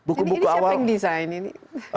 ini siapa yang design ini